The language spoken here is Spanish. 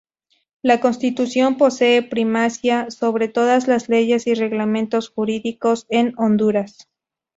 La Constitución posee primacía sobre todas las leyes y reglamentos jurídicos en Honduras.